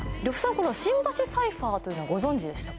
この新橋サイファーというのはご存じでしたか？